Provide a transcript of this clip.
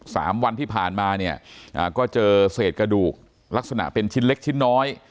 สามวันที่ผ่านมาเนี่ยอ่าก็เจอเศษกระดูกลักษณะเป็นชิ้นเล็กชิ้นน้อย